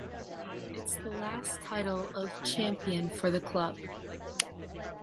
It’s the last title of champion for the club.